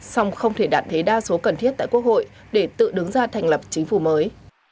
song không thể đạt thế đa số cần thiết tại quốc hội để tự đứng ra thành lập chính phủ mới